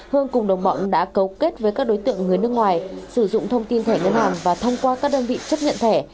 hương cùng đồng bọn đã cấu kết với các đối tượng người nước ngoài sử dụng thông tin thẻ ngân hàng và thông qua các đơn vị chấp nhận thẻ